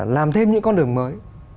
làm thêm những con đường mới